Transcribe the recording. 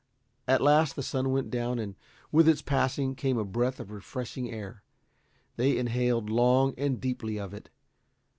At last the sun went down, and with its passing, came a breath of refreshing air. They inhaled long and deeply of it.